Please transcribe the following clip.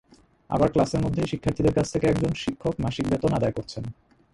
আবার ক্লাসের মধ্যেই শিক্ষার্থীদের কাছ থেকে একজন শিক্ষক মাসিক বেতন আদায় করছেন।